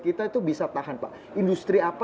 kita itu bisa tahan pak industri apa